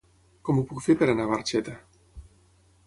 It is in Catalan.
Com ho puc fer per anar a Barxeta?